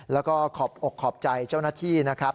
แล้วก็ขอบอกขอบใจเจ้าหน้าที่นะครับ